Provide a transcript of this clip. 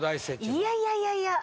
いやいやいやいや。